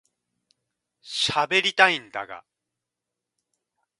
しゃべりたいんだが